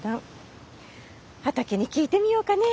畑に聞いてみようかね。